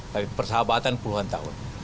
tapi persahabatan puluhan tahun